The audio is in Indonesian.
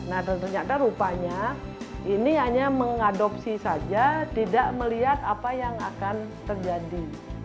nah ternyata rupanya ini hanya mengadopsi saja tidak melihat apa yang akan terjadi